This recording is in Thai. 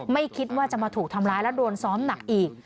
ไม่คิดว่าจะมาถูกทำร้ายและโดนซ้อมหนักอีก